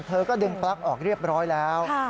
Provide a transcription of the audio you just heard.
เธอก็ดึงปลั๊กออกเรียบร้อยแล้ว